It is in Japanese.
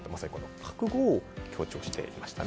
覚悟を強調していました。